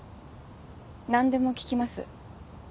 何でも聞きます。